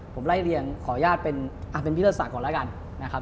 ผมไล่เรียงขออนุญาตเป็นพี่เวิ่มอิรัสศักดิ์ของละกันนะครับ